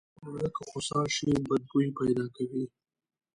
اوړه که خوسا شي بد بوي پیدا کوي